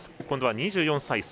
今度は２４歳。